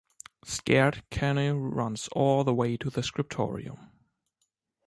Scared, Canne runs all the way to the scriptorium.